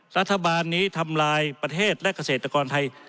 รัฐบาลนี้ทำลายประเทศและเกษตรกรไทย